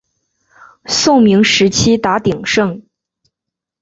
宋明时期达鼎盛。